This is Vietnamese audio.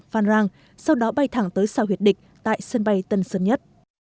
phan rang sau đó bay thẳng tới sao huyệt địch tại sân bay tân sân nhất